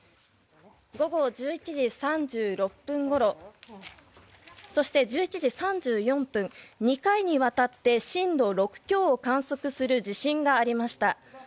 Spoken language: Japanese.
午後１１時３６分ごろそして、１１時３４分２回にわたって、震度６強を観測する地震がありました。